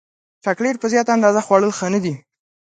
چاکلېټ په زیاته اندازه خوړل ښه نه دي.